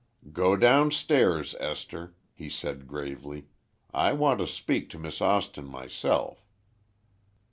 "Go downstairs, Esther," he said, gravely, "I want to speak to Miss Austin myself."